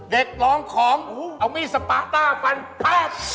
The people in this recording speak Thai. เด็กร้องของเอามีสปาต้าฟันแพร่ง